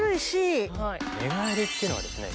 寝返りっていうのはですね